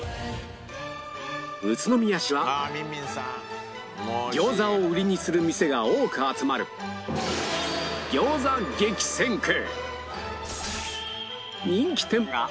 宇都宮市は餃子を売りにする店が多く集まる餃子激戦区